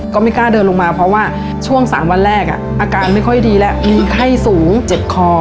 ก็ไม่กล้าเดินลงมาเพราะว่าช่วง๓วันแรกอาการไม่ค่อยดีแล้วมีไข้สูงเจ็บคอ